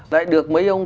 lại được mấy ông